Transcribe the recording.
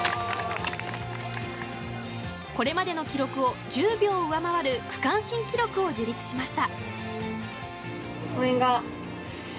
これまでの記録を１０秒上回る区間新記録を樹立しました。